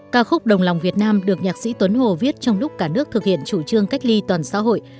ca khúc đồng lòng việt nam được nhạc sĩ tuấn hồ viết trong lúc cả nước thực hiện chủ trương cách ly toàn xã hội